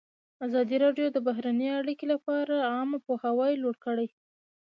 ازادي راډیو د بهرنۍ اړیکې لپاره عامه پوهاوي لوړ کړی.